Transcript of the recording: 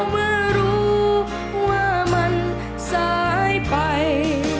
เมื่อรู้ว่ามันซ้ายไป